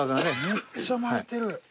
めっちゃ巻いてる！